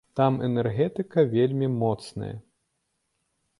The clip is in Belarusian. Там энергетыка вельмі моцная.